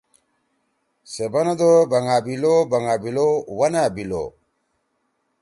سے بندُو ” بھنگابِلوبِلو ونأ بِلو“۔